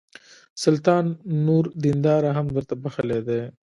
سلطان نور دیناره هم درته بخښلي دي.